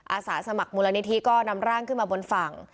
อาสาสมัครมูลนิธิก็นำร่างขึ้นมาบนฝั่ง